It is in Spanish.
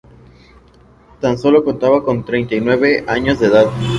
Tan sólo contaba con treinta y nueve años de edad.